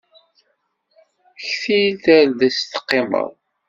Ktil tardest teqqimeḍ.